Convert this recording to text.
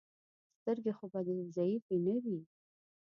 سترګې خو به دې ضعیفې نه وي.